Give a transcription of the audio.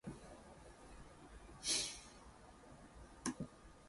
Transition in this era was from Buddhism to a soldierly approach to Neo-Confucianism.